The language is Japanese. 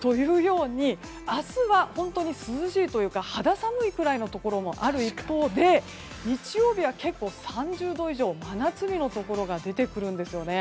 明日は涼しいというか肌寒いくらいのところもある一方で日曜日は結構３０度以上の真夏日のところが出てくるんです。